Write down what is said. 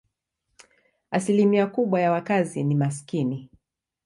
Asilimia kubwa ya wakazi ni maskini.